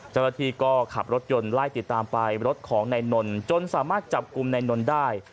เจ้าหน้าที่ก็ขับรถยนต์ไล่ติดตามไปรถของนายนนท์จนสามารถจับกลุ่มนายนนท์ได้